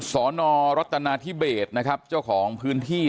สรณารัตนาทิเบสเจ้าของพื้นที่